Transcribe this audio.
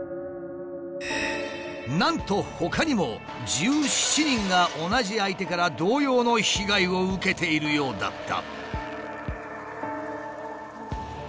なんとほかにも１７人が同じ相手から同様の被害を受けているようだった。